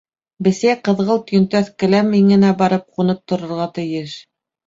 Бесәй ҡыҙғылт йөнтәҫ келәм иңенә барып ҡунып торорға тейеш!